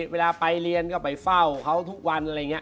เวลาไปเรียนก็ไปเฝ้าเค้าทุกวัน